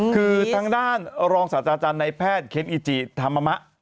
คือทางด้านรองศาสตราจารย์ในแพทย์เคนอิจิธรรมมะ